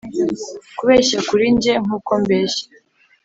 kubeshya kuri njye nkuko mbeshya